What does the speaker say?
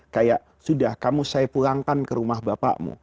kayak sudah kamu saya pulangkan ke rumah bapakmu